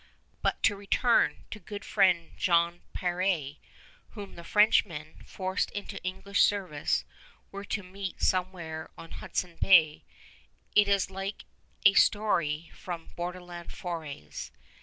But to return to "good friend, Jan Peré," whom the Frenchmen, forced into English service, were to meet somewhere on Hudson Bay. It is like a story from borderland forays.